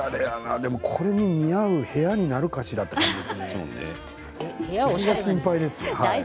でも、これに似合う部屋になるかしらとそれが心配。